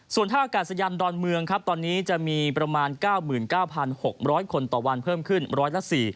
ส่วนท่าอากาศยานดอนเมืองครับตอนนี้จะมีประมาณ๙๙๖๐๐คนต่อวันเพิ่มขึ้นร้อยละ๔